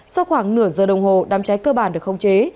sau khoảng nửa giờ đồng hồ đám cháy cơ bản được không chế